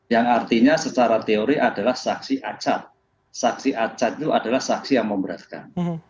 yang artinya secara teori adalah saksi acat saksi acat itu adalah saksi yang memberatkan